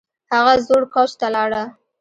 هغه زوړ کوچ ته لاړه